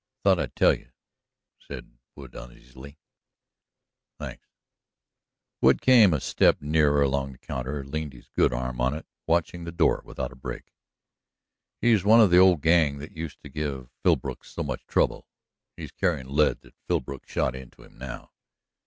"I thought I'd tell you," said Wood uneasily. "Thanks." Wood came a step nearer along the counter, leaned his good arm on it, watching the door without a break. "He's one of the old gang that used to give Philbrook so much trouble he's carryin' lead that Philbrook shot into him now.